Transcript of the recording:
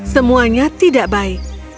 semuanya tidak baik